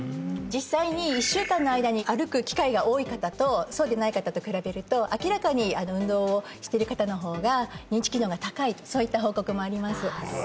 実際に１週間の間に歩く機会が多い方とそうでない方と比べると明らかに運動をしてる方の方が認知機能が高いとそういった報告もありますああ